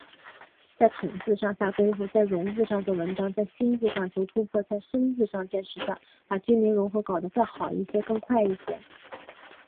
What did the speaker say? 在“统”字上下功夫，在“融”字上做文章，在“新”字上求突破，在“深”字上见实效，把军民融合搞得更好一些、更快一些。